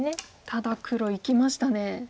ただ黒いきましたね。